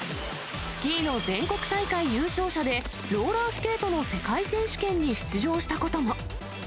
スキーの全国大会優勝者で、ローラースケートの世界選手権に出場したことも。